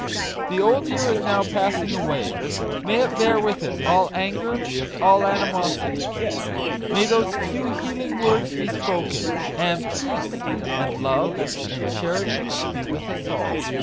The old year is now passing away may it bear with it all anger, all animosity ! May those few healing words be spoken, and 52 MAGIC WORDS. Peace, and Love, and Charity be with us all!"